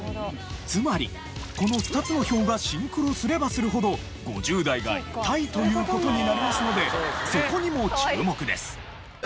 つまりこの２つの表がシンクロすればするほど５０代がイタイという事になりますのでそこにも注目です。